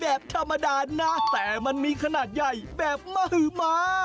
แบบธรรมดานะแต่มันมีขนาดใหญ่แบบมหมา